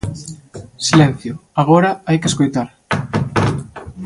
Silencio, agora hai que escoitar.